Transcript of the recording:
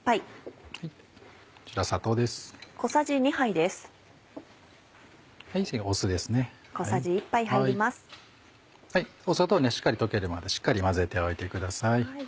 砂糖はしっかり溶けるまでしっかり混ぜておいてください。